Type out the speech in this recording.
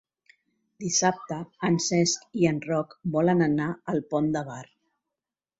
Dissabte en Cesc i en Roc volen anar al Pont de Bar.